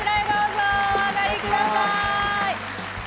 お上がり下さい。